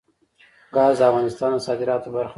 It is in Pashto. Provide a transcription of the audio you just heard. ګاز د افغانستان د صادراتو برخه ده.